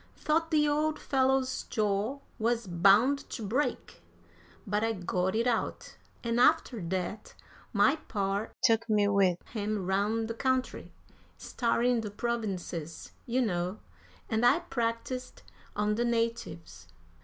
Thought the old fellow's jaw was bound to break! But I got it out, and after that my par took me with him round the country starring the provinces, you know and I practised on the natives."